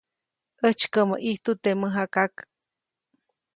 ʼÄjtsykäʼmäʼ ʼijtu teʼ mäjakak.